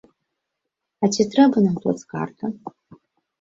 А ці трэба нам плацкарта?